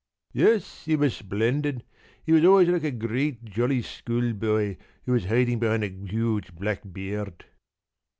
p> "Yes, he was splendid. He was always like a great jolly schoolboy who was hiding behind a huge black beard."